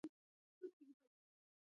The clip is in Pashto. هوا د افغانستان د ملي هویت نښه ده.